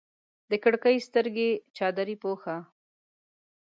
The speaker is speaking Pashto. د کړکۍ سترګې چادرې پوښه